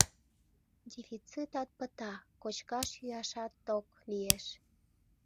Дефицитат пыта, кочкаш-йӱашат ток лиеш.